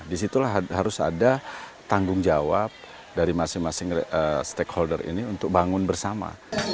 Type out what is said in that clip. disitulah harus ada tanggung jawab dari masing masing stakeholder ini untuk bangun bersama